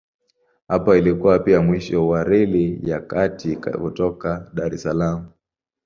Hapa ilikuwa pia mwisho wa Reli ya Kati kutoka Dar es Salaam.